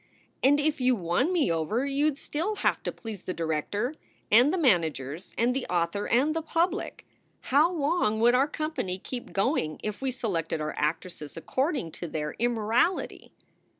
And if you won me over you d still have to please the director and the managers and the author and the public. How long would our company keep going if we selected our actresses according to their immorality?